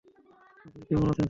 আপনি কেমন আছেন, স্যার?